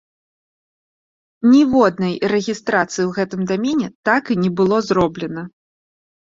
Ніводнай рэгістрацыі ў гэтым дамене так і не было зроблена.